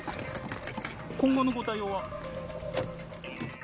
今後のご対応は？